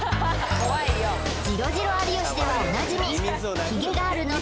「ジロジロ有吉」ではおなじみ